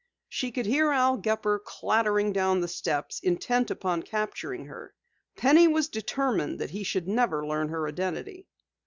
She could hear Al Gepper clattering down the steps, intent upon capturing her. Penny was determined that he should never learn her identity.